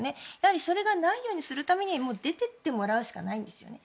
それがないようにするために出てってもらうしかないんですよね。